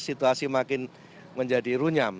situasi makin menjadi runyam